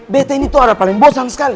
bt ini tuh ada paling bosan sekali